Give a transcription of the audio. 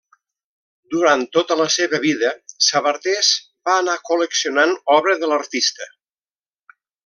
Durant tota la seva vida Sabartés va anar col·leccionant obra de l'artista.